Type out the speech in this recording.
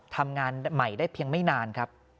ทำงานใหม่ได้เพียงไม่นานครับ